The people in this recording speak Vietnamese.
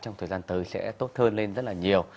trong thời gian tới sẽ tốt hơn lên rất là nhiều